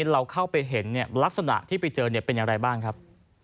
เราเข้าไปเห็นเนี่ยลักษณะที่ไปเจอเนี่ยเป็นยังไหร่บ้างครับ